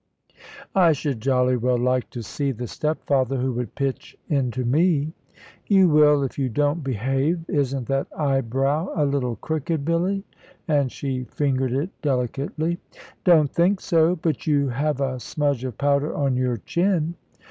"I should jolly well like to see the stepfather who would pitch into me." "You will, if you don't behave. Isn't that eyebrow a little crooked, Billy?" and she fingered it delicately. "Don't think so; but you have a smudge of powder on your chin."